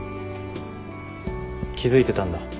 気付いてたんだ。